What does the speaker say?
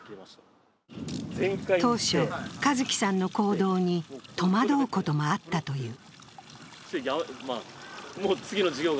当初、和毅さんの行動に戸惑うこともあったという。